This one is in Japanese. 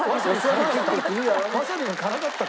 わさびが辛かったか？